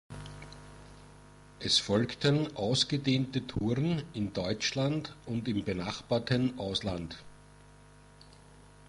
Es folgten ausgedehnte Touren in Deutschland und im benachbarten Ausland.